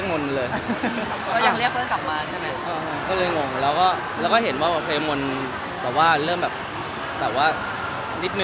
เขาพิกัระเองค่ะพอแบบเฮ้มันเกิดความรู้สึกกับกรรม